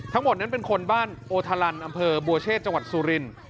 ทั้งหมดนั้นเป็นคนบ้านโอทารันอำเภอบัวเชษจโซริน